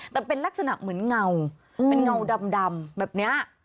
แต่เป็นลักษณะเหมือนเงาเป็นเงาดำแบบนี้